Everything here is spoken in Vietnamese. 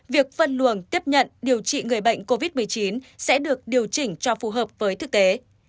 việc phân luồng tiếp nhận điều trị người bệnh covid một mươi chín sẽ được điều chỉnh cho phù hợp với thực tế